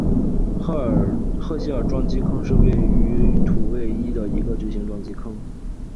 赫歇尔撞击坑是位于土卫一的一个巨型撞击坑。